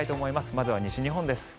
まずは西日本です。